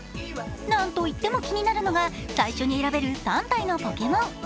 なんといっても気になるのが、最初に選べる３体のポケモン。